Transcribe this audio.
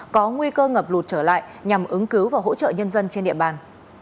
có nguy cơ ngập lụt trở lại nhằm ứng cứu và hỗ trợ nhân dân trên địa bàn